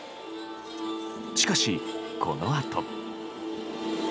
しかし、このあと。